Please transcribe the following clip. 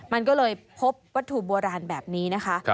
มันก็เลยพบวัตถุโบราณแบบนี้นะคะ